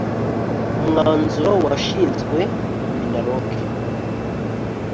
umwanzuro wanshinzwe minaloc